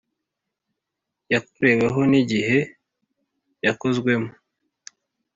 Yakoreweho n igihe yakozwemo